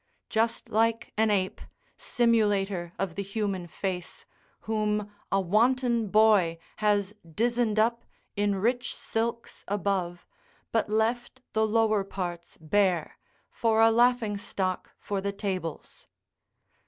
["Just like an ape, simulator of the human face, whom a wanton boy has dizened up in rich silks above, but left the lower parts bare, for a laughing stock for the tables."